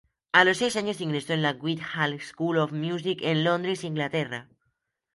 A los seis años ingresó en la Guildhall School of Music en Londres, Inglaterra.